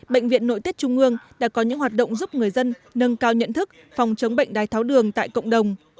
bệnh viện nội tiết trung ương đã có những hoạt động giúp người dân nâng cao nhận thức phòng chống bệnh đai tháo đường tại cộng đồng